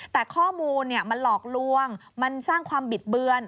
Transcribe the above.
แต่ข้อมูลมันหลอกลวงมันสร้างความบิดเบือน